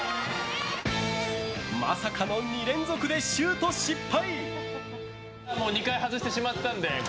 まさかの２連続でシュート失敗！